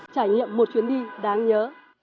trải nghiệm một chuyến đi đáng nhớ